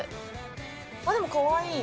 でもかわいい。